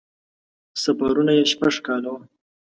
سفرونه یې شپږ کاله وو.